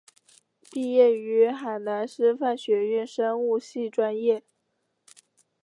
毕业于海南师范学院生物系专业。